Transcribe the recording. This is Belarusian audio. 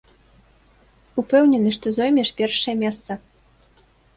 Упэўнены, што зоймеш першае месца.